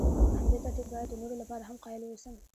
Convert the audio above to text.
په همدې ترتیب باید د نورو لپاره هم قایل واوسم.